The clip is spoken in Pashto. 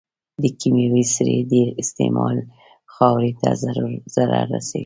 د کيمياوي سرې ډېر استعمال خاورې ته ضرر رسوي.